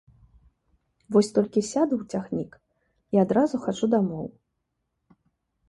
Вось толькі сяду ў цягнік і адразу хачу дамоў!